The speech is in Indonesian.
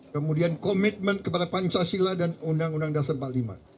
kemudian komitmen kepada pancasila dan undang undang dasar empat puluh lima